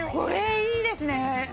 いいですね。